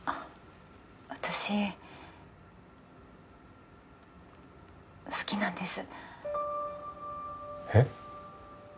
私好きなんですえっ？